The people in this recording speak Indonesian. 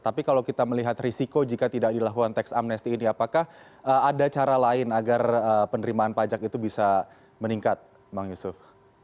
tapi kalau kita melihat risiko jika tidak dilakukan teks amnesty ini apakah ada cara lain agar penerimaan pajak itu bisa meningkat bang yusuf